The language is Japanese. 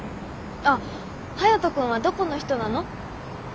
あっハヤト君はどこの人なの？